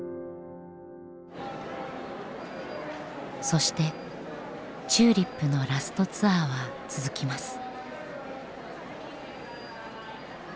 そしてＴＵＬＩＰのラストツアーは続きます。